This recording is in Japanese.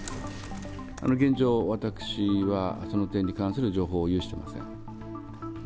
現状、私はその点に関する情報を有していません。